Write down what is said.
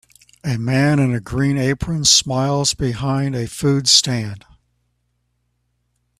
A man in a green apron smiles behind a food stand.